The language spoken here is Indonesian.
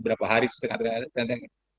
berapa hari sesuai dengan aturan yang ada